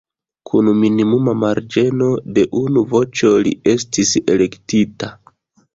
Kun minimuma marĝeno de unu voĉo li estis elektita.